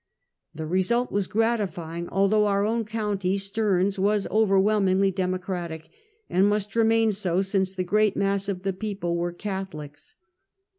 The result was gratifying, although our own county, Stearns, was overwhelmingly Democratic, and must remain so, since the great mass of the people were Catholics.